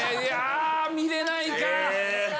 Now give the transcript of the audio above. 見れないか。